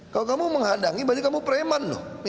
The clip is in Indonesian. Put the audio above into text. kalau kamu menghadangi berarti kamu preman loh